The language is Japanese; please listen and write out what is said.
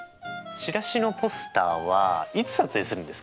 チラシのポスターはいつ撮影するんですか？